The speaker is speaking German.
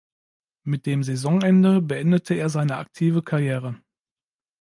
Mit dem Saisonende beendete er seine aktive Karriere.